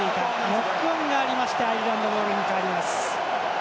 ノックオンがありましてアイルランドボールに変わります。